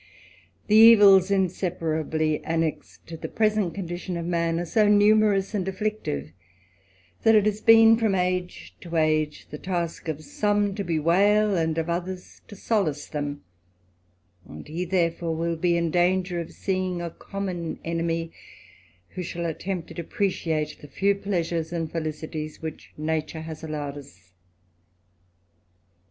'T'HE evils inseparably annexed to the present condition ^ of man, are so numerous and afflictive, that it has been, from age to age, the task of some to bewail, and of others to solace them ; and he, therefore, will be in danger of seeing a common enemy, who shall attempt to depreciate the few pleasures and felicities which nature has allowed us.